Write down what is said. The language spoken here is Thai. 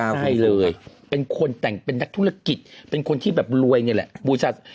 ไม่ใช่เลยเป็นคนแต่งเป็นนักธุรกิจเป็นคนที่แบบรวยอย่างนี้แหละ